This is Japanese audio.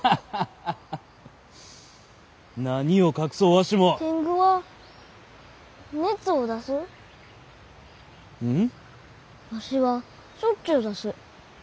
わしはしょっちゅう出す。